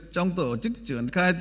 trong tổ chức chuyển khai